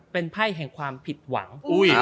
เป็นไพ่แห่งความผิดหวัง